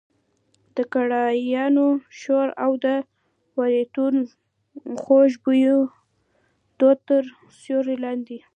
د کړایانو شور او د وریتو خوږ بویه دود تر سیوري لاندې.